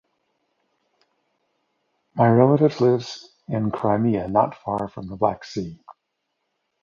My relatives live in Crimea, not far from the Black Sea.